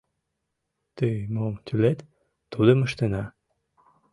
Тый мом тӱлет, тудым ыштена.